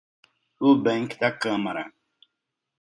Ewbank da Câmara